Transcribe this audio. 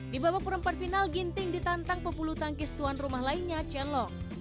di babak perempat final ginting ditantang pebulu tangkis tuan rumah lainnya chen long